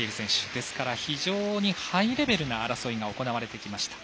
ですから、非常にハイレベルな争いが行われてきました。